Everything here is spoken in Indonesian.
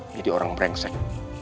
jadi orang brengsek